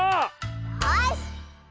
よし！